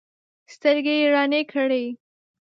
سترګې یې رڼې کړې.